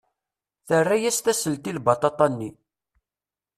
Terra-as tasselt i lbaṭaṭa-nni.